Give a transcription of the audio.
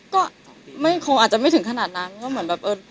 ก็ไม่โคอาจจะไม่ถึงขนาดนั้น